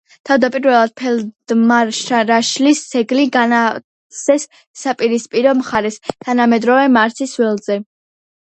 თავდაპირველად ფელდმარშალის ძეგლი განათავსეს საპირისპირო მხარეს თანამედროვე მარსის ველზე.